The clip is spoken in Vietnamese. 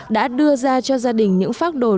đã đưa ra cho gia đình những pháp đồ điều trị